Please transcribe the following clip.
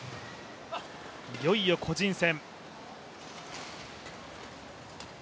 いよいよ個人戦。